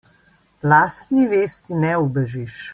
Lastni vesti ne ubežiš.